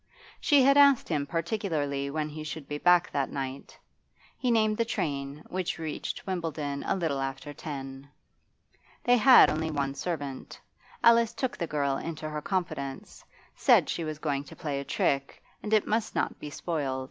She had asked him particularly when he should be back that night He named the train, which reached Wimbledon a little after ten. They had only one servant. Alice took the girl into her confidence, said she was going to play a trick, and it must not be spoilt.